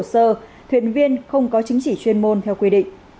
tàu không có hồ sơ thuyền viên không có chính trị chuyên môn theo quy định